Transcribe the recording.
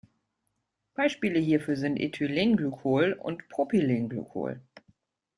Beispiele hierfür sind Ethylenglycol und Propylenglycol.